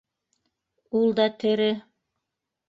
Ул да тере.